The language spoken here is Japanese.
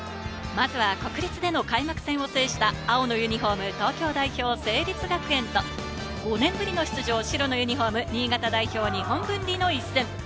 まずは国立での開幕戦を制した青のユニホーム、東京代表・成立学園と、５年ぶりの出場、白のユニホーム新潟代表・日本文理の一戦。